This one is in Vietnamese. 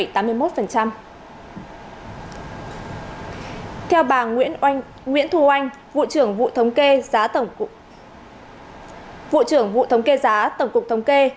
theo bà nguyễn thu oanh vụ trưởng vụ thống kê giá tổng cục thống kê